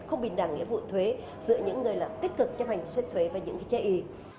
không bình đẳng nghĩa vụ thuế giữa những người là tích cực chấp hành xuyên thuế và những cái chê ý